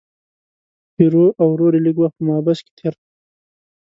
پیرو او ورور یې لږ وخت په محبس کې تیر کړ.